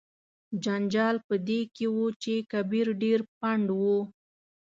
جنجال په دې کې و چې کبیر ډیر پنډ و.